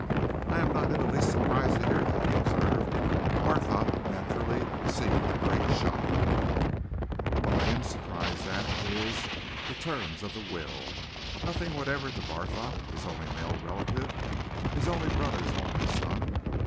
"I am not in the least surprised to hear that," he observed. "Barthorpe naturally received a great shock. What I am surprised at is the terms of the will. Nothing whatever to Barthorpe his only male relative his only brother's only son.